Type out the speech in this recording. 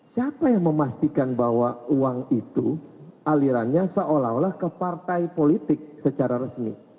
siapa yang memastikan bahwa uang itu alirannya seolah olah ke partai politik secara resmi